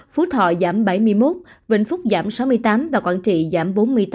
phú thọ giảm bảy mươi một vĩnh phúc giảm sáu mươi tám và quảng trị giảm bốn mươi tám